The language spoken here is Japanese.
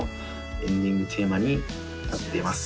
エンディングテーマになっています